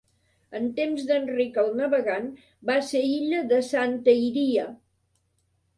En temps d'Enric el Navegant va ser illa de Santa Iria.